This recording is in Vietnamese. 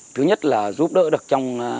thứ nhất là giúp đỡ được trong